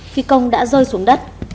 phi công đã rơi xuống đất